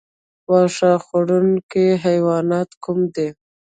واښه خوړونکي حیوانات کوم دي؟